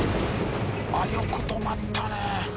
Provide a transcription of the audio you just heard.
よく止まったね。